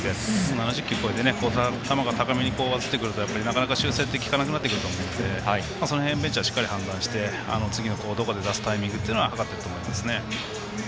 ７０球超えて球が高めに上ずってくるとなかなか修正が効かなくなってくると思うのでその辺ベンチはしっかり判断して次の投手を出すタイミング計っていると思いますね。